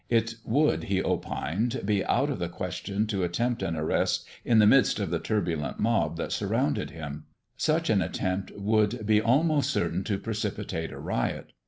It would, he opined, be out of the question to attempt an arrest in the midst of the turbulent mob that surrounded Him; such an attempt would be almost certain to precipitate a riot.